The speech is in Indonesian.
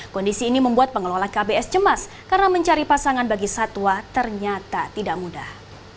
kondisi ini membuat pengelola kbs cemas karena mencari pasangan bagi satwa ternyata tidak mudah